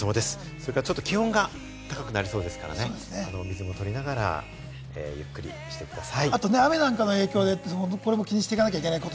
それから、ちょっと気温が高くなりそうですから、水もとりながら作業をしてください。